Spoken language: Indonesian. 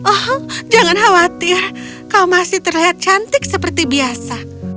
oh jangan khawatir kau masih terlihat cantik seperti biasa